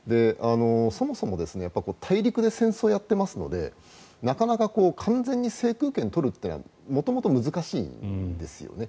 そもそも大陸で戦争をやっていますのでなかなか完全に制空権を取るというのは元々、難しいんですよね。